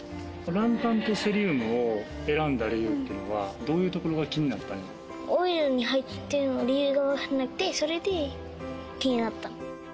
ランタンとセリウムを選んだ理由っていうのは、オイルに入ってる理由が分からなくて、それで気になったの。